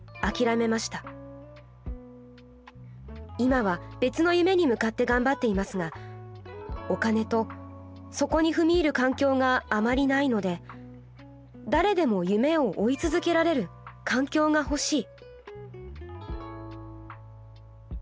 今は別の夢に向かって頑張っていますがお金とそこに踏み入る環境があまりないので誰でも夢を追い続けられる環境が欲しい」。